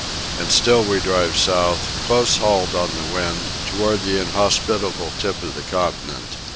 And still we drive south, close hauled on the wind, toward the inhospitable tip of the continent.